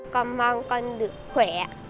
con mong con được khỏe